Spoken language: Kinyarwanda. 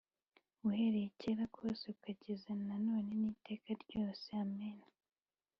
uhereye kera kose ukageza na none n’iteka ryose amen